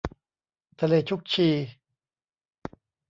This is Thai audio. ทะเลชุกชี